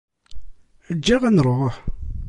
Eǧǧ-aɣ ad nruḥ!